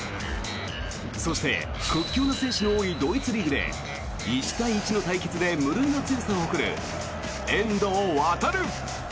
そして屈強な選手の多いドイツリーグで１対１の対決で無類の強さを誇る遠藤航。